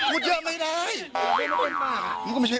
พูดเยอะไม่ได้